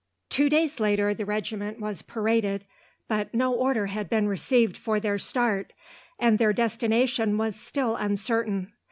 Two days later the regiment was paraded, but no order had been received for their start, and their destination was still uncertain.